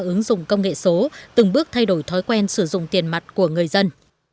ứng dụng công nghệ số từng bước thay đổi thói quen sử dụng tiền mặt của người dân